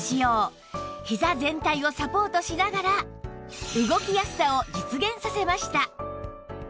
ひざ全体をサポートしながら動きやすさを実現させました